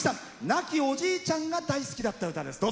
亡きおじいちゃんが大好きだった歌です。